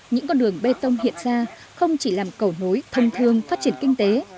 những con đường bê tông hiện ra không chỉ làm cầu nối thông thương phát triển kinh tế